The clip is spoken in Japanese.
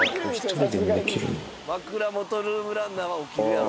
枕元ルームランナーは起きるやろ。